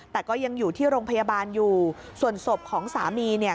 แต่ก็ยังอยู่ที่โรงพยาบาลอยู่ส่วนศพของสามีเนี่ย